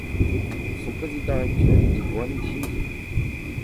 Son président actuel est Duan Shijie.